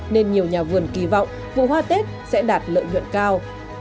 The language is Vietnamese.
nên nhiều nhà vườn kỳ vọng vụ hoa tết sẽ đạt lợi nhuận cao